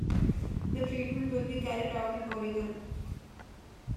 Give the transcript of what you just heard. The treatment will be carried out in Oregon.